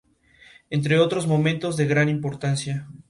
Entre otros momentos de gran importancia.